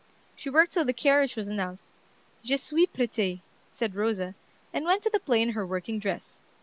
She worked till the carriage was announced. "Je suis prête," said Rosa, and went to the play in her working dress.